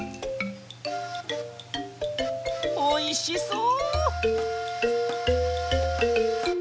おいしそう！